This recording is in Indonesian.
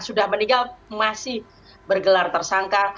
sudah meninggal masih bergelar tersangka